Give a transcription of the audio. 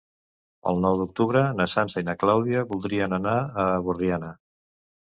El nou d'octubre na Sança i na Clàudia voldrien anar a Borriana.